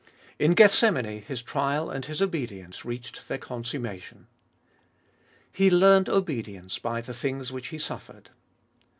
In Geth semane His trial and His obedience reached their consummation. He learned obedience by the things which He suffered.